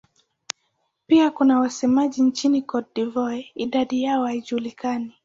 Pia kuna wasemaji nchini Cote d'Ivoire; idadi yao haijulikani.